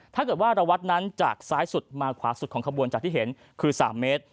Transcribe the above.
ถ้าเกิดว่าระวัดนั้นจากซ้ายสุดมาขวาสุดของขบวนจากที่เห็นคือ๓เมตร